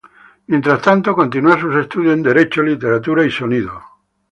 Mientras tanto, continúa sus estudios en Derecho, Literatura y Sonido.